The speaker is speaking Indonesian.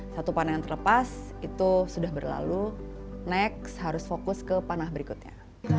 satu panah yang terlepas itu sudah berlalu next harus fokus ke panah berikutnya